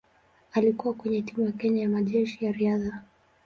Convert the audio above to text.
Alikuwa katika timu ya Kenya ya Majeshi ya Riadha.